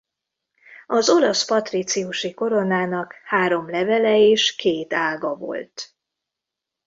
Az olasz patríciusi koronának három levele és két ága volt.